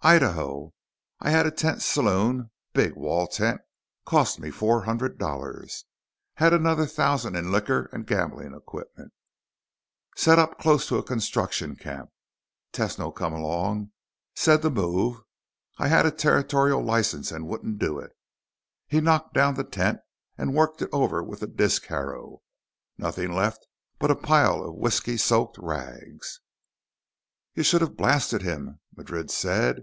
"Idaho. I had a tent saloon; big wall tent, cost me four hundred dollars. Had another thousand in liquor and gambling equipment. Set up close to a construction camp. Tesno come along, said to move. I had a territorial license and wouldn't do it. He knocked down the tent and worked it over with a disc harrow. Nothing left but a pile of whisky soaked rags." "You should have blasted him," Madrid said.